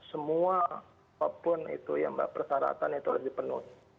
semua apapun itu ya mbak persyaratan itu harus dipenuhi